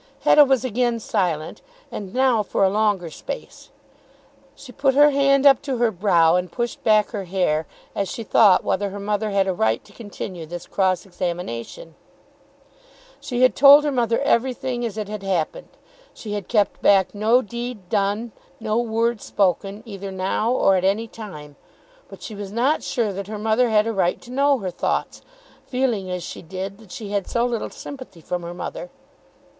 Hetta was again silent, and now for a longer space. She put her hand up to her brow and pushed back her hair as she thought whether her mother had a right to continue this cross examination. She had told her mother everything as it had happened. She had kept back no deed done, no word spoken, either now or at any time. But she was not sure that her mother had a right to know her thoughts, feeling as she did that she had so little sympathy from her mother.